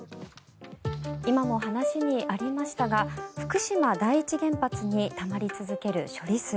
今も話にありましたが福島第一原発にたまり続ける処理水。